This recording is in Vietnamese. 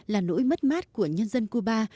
là nỗi mất mát của nhân dân cuba